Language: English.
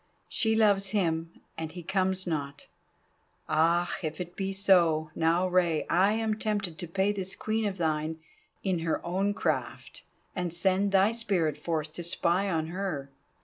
She loves him, and he comes not. Ah! if it be so! Now, Rei, I am tempted to pay this Queen of thine in her own craft, and send thy spirit forth to spy on her.